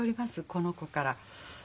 この子から。